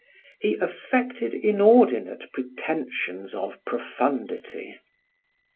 He affected inordinate pretentions of profundity.